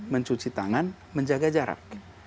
mencuci tangan menjaga jarak